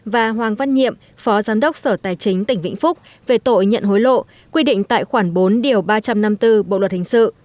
và hoàng văn nhiệm phó giám đốc sở tài chính tỉnh vĩnh phúc về tội nhận hối lộ quy định tại khoản bốn điều ba trăm năm mươi bốn bộ luật hình sự